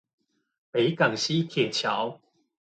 北港溪鐵橋